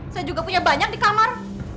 saya juga punya banyak di kamar